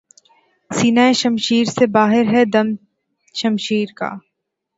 سینہٴ شمشیر سے باہر ہے دم شمشیر کا